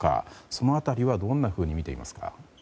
その辺りはどんなふうにみていますか？